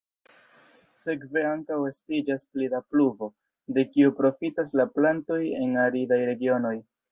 Sekve ankaŭ estiĝas pli da pluvo, de kiu profitas la plantoj en aridaj regionoj.